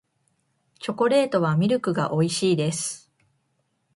チョコレートはミルクが美味しいです